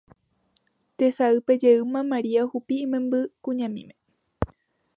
Tesaýpe jeýma Maria ohupi imembykuñamíme